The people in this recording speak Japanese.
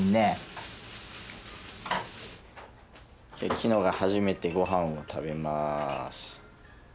きのが初めてごはんを食べます。